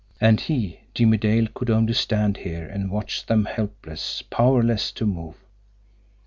And he, Jimmie Dale, could only stand here and watch them, helpless, powerless to move!